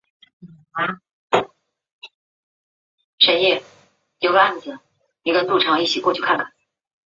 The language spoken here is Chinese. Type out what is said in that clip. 莫负今朝！